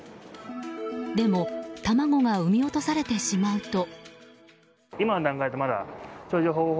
でも、卵が産み落とされてしまうと。